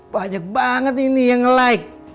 banyak banget ini yang like